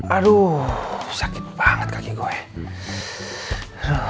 aduh sakit banget kaki gua ya